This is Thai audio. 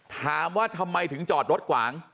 ถามว่าทำไมถึงจอดรถขวาง